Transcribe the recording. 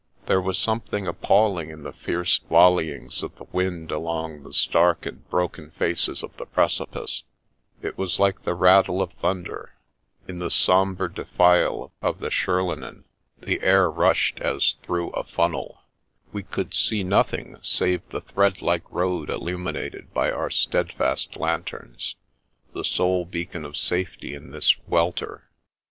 There was something appalling in the fierce volleyings of the wind along the stark and broken faces of the precipice : it was like the rattle of thun der. In the sombre defile of the Schollenen the air 68 The Princess Passes rushed as through a funnel. We could sec nothing save the thread like road illuminated by our stead fast lanterns — ^the sole beacon of safety in this wel ter.